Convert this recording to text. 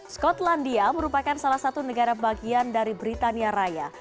skotlandia merupakan salah satu negara bagian dari britania raya